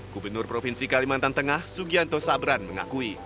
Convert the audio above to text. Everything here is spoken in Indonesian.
gubernur provinsi kalimantan tengah sugianto sabran mengakui